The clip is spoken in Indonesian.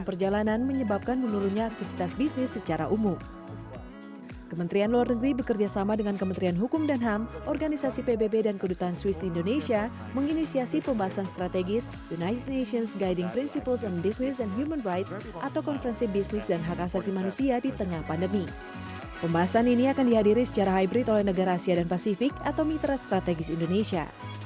pembatasan ini akan dihadiri secara hybrid oleh negara asia dan pasifik atau mitra strategis indonesia